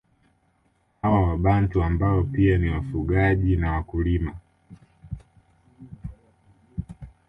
Hawa wabantu ambao pia ni wafugaji na wakulima